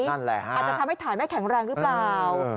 นั่นแหละฮะอาจจะทำให้ฐานไม่แข็งแรงหรือเปล่า